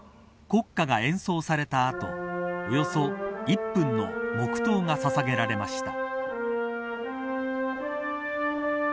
国歌が演奏された後およそ１分の黙とうがささげられました。